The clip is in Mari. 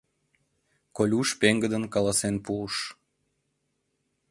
— Колюш пеҥгыдын каласен пуыш.